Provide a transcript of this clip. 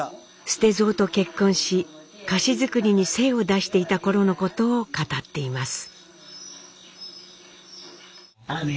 捨蔵と結婚し菓子作りに精を出していた頃のことを語っています。